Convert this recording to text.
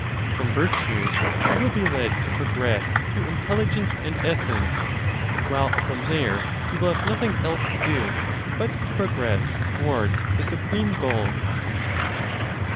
From virtues he will be led to progress to intelligence and essence, while from there he will have nothing else to do but to progress towards the supreme goal.